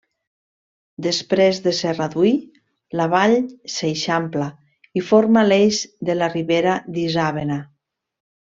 Després de Serradui, la vall s'eixampla i forma l'eix de la ribera d'Isàvena.